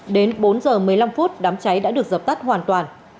đến bốn giờ một mươi năm phút đám cháy đã được dập tắt hoàn toàn